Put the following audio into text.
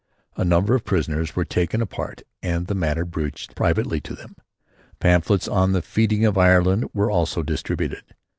A number of prisoners were taken apart and the matter broached privately to them. Pamphlets on the freeing of Ireland were also distributed.